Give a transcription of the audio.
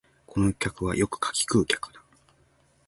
この客はよく柿食う客だ